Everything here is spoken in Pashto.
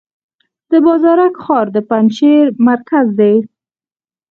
د بازارک ښار د پنجشیر مرکز دی